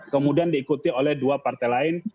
kemudian diikuti oleh dua partai lain